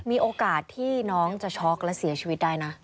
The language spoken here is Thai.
มีโอกาสที่น้องจะช็อกและเสียชีวิตได้นะ